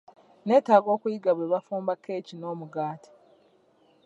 Neetaaga okuyiga bwe bafumba kkeeki n'omugaati.